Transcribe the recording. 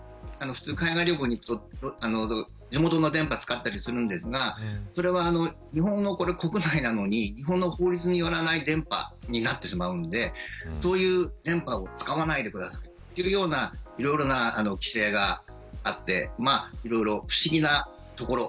普通海外旅行に行くと地元の電波を使ったりするんですがそれは、日本の国内なのに日本の法律によらない電波になってしまうのでそういう電波を使わないでください、というようないろいろな規制があって不思議なところ。